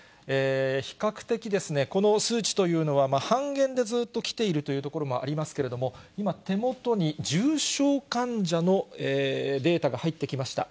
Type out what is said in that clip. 比較的この数値というのは、半減でずっときているというところもありますけれども、今、手元に重症患者のデータが入ってきました。